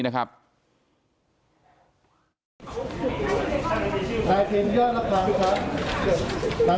ถ้าเกิดแบบนี้วันอาการขึ้นมา